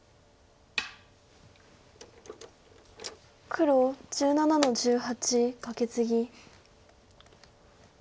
黒１７の十八カケツギ。